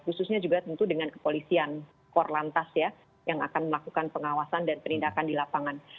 khususnya juga tentu dengan kepolisian korlantas ya yang akan melakukan pengawasan dan penindakan di lapangan